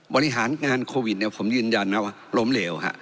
บริหารงานโควิดเนี่ยผมยืนยันนะว่าล้มเหลว